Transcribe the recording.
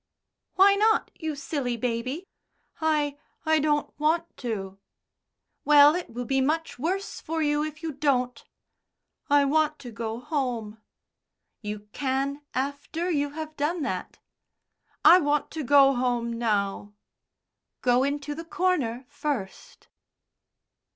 "Why not, you silly baby?" "I I don't want to." "Well, it will be much worse for you if you don't." "I want to go home." "You can after you have done that." "I want to go home now." "Go into the corner first."